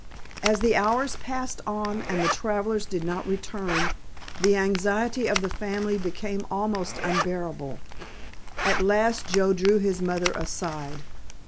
As the hours passed on and the travelers did not return the anxiety of the family became almost unbearable. At last Joe drew his mother aside.